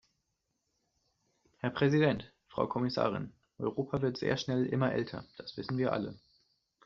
Herr Präsident, Frau Kommissarin, Europa wird sehr schnell immer älter, das wissen wir alle.